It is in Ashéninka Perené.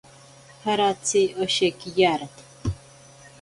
Jaratsi osheki yarato.